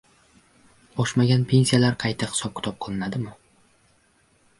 Oshmagan pensiyalar qayta hisob-kitob qilinadimi?